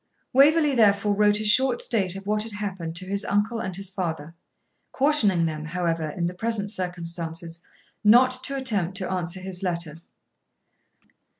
Waverley therefore wrote a short state of what had happened to his uncle and his father, cautioning them, however, in the present circumstances, not to attempt to answer his letter.